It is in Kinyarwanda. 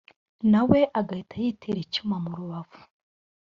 nawe agahita yitera icyuma mu rubavu